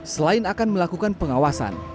selain akan melakukan pengawasan